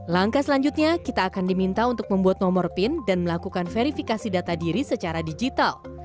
langkah selanjutnya kita akan diminta untuk membuat nomor pin dan melakukan verifikasi data diri secara digital